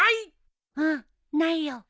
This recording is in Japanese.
うんないよ。